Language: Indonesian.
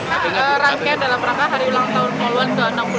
rangka dalam rangka hari ulang tahun pol one itu enam puluh delapan